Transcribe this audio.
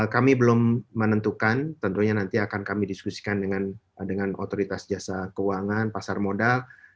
kami belum menentukan tentunya nanti akan kami diskusikan dengan otoritas jasa keuangan pasar modal